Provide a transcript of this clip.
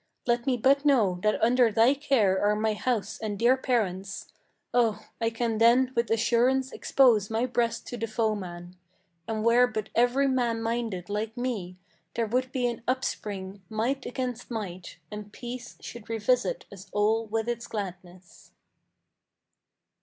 Let me but know that under thy care are my house and dear parents, Oh! I can then with assurance expose my breast to the foeman. And were but every man minded like me, there would be an upspring Might against might, and peace should revisit us all with its gladness."